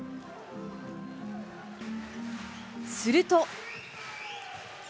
すると。